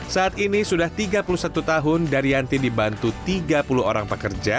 saat ini sudah tiga puluh satu tahun daryanti dibantu tiga puluh orang pekerja